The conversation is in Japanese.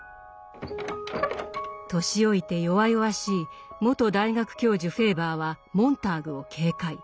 年老いて弱々しい元大学教授フェーバーはモンターグを警戒。